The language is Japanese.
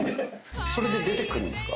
それで出てくるんですか？